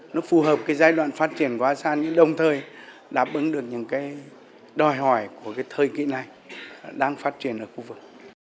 nó phù hợp cái giai đoạn phát triển của asean đồng thời đáp ứng được những cái đòi hỏi của cái thời kỳ này đang phát triển ở khu vực